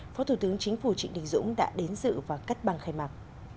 phó thủ tướng chính phủ trịnh đình dũng đã đến dự và cắt băng khai mạc